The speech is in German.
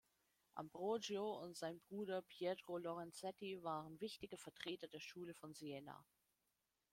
Ambrogio und sein Bruder Pietro Lorenzetti waren wichtige Vertreter der Schule von Siena.